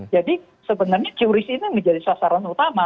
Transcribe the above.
jadi sebenarnya qr ini menjadi sasaran utama